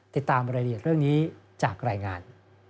ติดตามรายละเอียดเรื่องนี้จากรายงาน